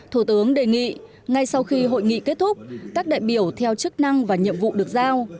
thủ tướng đề nghị ngay sau khi hội nghị kết thúc các đại biểu theo chức năng và nhiệm vụ được giao